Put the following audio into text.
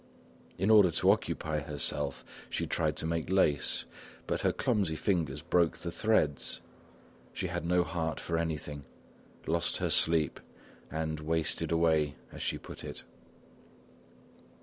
In order to occupy herself she tried to make lace. But her clumsy fingers broke the threads; she had no heart for anything, lost her sleep and "wasted away," as she put it.